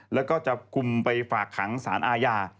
แล้วก็จับกลุ่มไปฝากขังสารอาญา